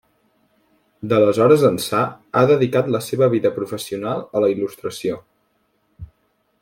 D'aleshores ençà, ha dedicat la seva vida professional a la il·lustració.